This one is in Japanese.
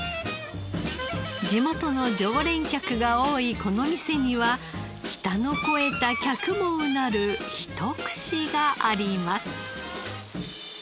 地元の常連客が多いこの店には舌の肥えた客もうなるひと串があります。